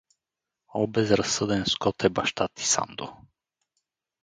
О, безразсъден скот е баща ти, Сандо!